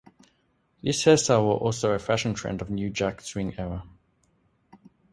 This hairstyle was also a fashion trend of new jack swing era.